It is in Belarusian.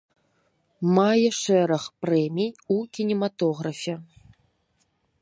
Мае шэраг прэмій у кінематографе.